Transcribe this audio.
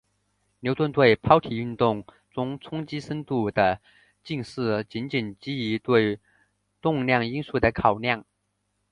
牛顿对抛体运动中冲击深度的近似仅仅基于对动量因素的考量。